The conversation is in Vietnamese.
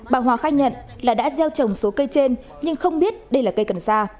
bà hòa khai nhận là đã gieo trồng số cây trên nhưng không biết đây là cây cần sa